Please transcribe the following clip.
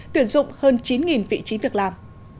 tuyển dụng hơn chín vị trí việc làm